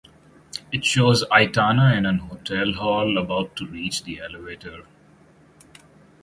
It shows Aitana in an hotel hall about to reach the elevator.